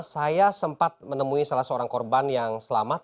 saya sempat menemui salah seorang korban yang selamat